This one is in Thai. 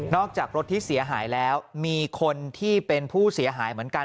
จากรถที่เสียหายแล้วมีคนที่เป็นผู้เสียหายเหมือนกัน